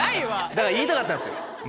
だから言いたかったんです。